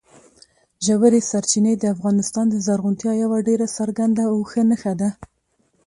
ژورې سرچینې د افغانستان د زرغونتیا یوه ډېره څرګنده او ښه نښه ده.